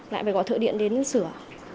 lại phải gọi thợ điện đến sửa